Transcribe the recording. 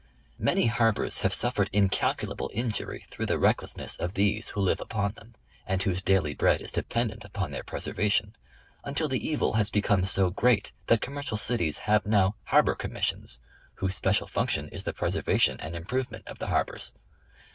Many harbors have suffered in calculable injury through the recklessness of these who live upon them, and whose daily bread is dependent upon their preserva tion; until the evil has become so great that commercial cities have now " Harbor Commissions," whose special function is the preservation and improvement of the harbors.